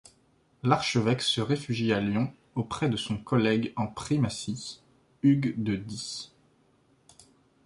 L'archevêque se réfugie à Lyon auprès de son collègue en primatie, Hugues de Die.